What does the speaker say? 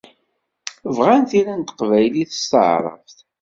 Bɣan tira n teqbaylit s taɛrabt.